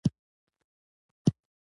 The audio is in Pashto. روښانه فکر د پرېکړې ځواک زیاتوي.